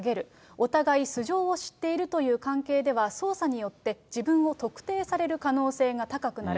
お互い素性を知っているという関係では捜査によって自分を特定される可能性が高くなる。